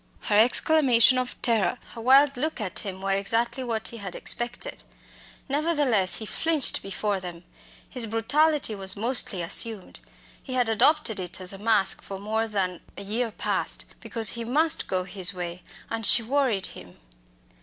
Her exclamation of terror, her wild look at him, were exactly what he had expected; nevertheless, he flinched before them. His brutality was mostly assumed. He had adopted it as a mask for more than a year past, because he must go his way, and she worried him.